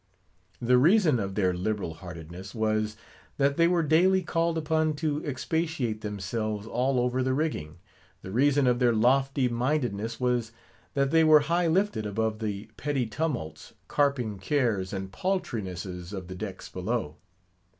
The reason of their liberal heartedness was, that they were daily called upon to expatiate themselves all over the rigging. The reason of their lofty mindedness was, that they were high lifted above the petty tumults, carping cares, and paltrinesses of the decks below.